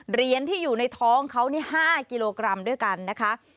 เหรียญที่อยู่ในท้องเขานี่๕กิโลกรัมด้วยกันนะคะ